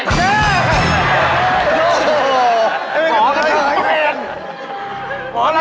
เจ๊โอ้โฮหมอไม่ตาย